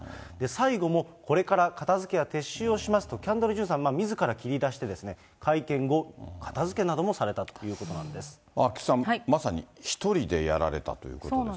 最後も、これから片づけや撤収をしますと、キャンドル・ジュンさんみずから切り出して、会見後、片づけなど菊池さん、まさに１人でやらそうなんです。